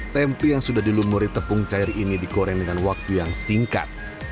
tempe yang sudah dilumuri tepung cair ini digoreng dengan waktu yang singkat